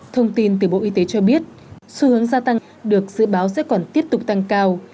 thông tin từ bộ y tế cho biết xu hướng gia tăng được dự báo sẽ còn tiếp tục tăng cao